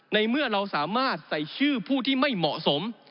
ในเมื่อเราสามารถใส่ชื่อผู้ที่ไม่เหมาะสม